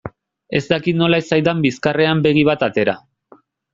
Ez dakit nola ez zaidan bizkarrean begi bat atera.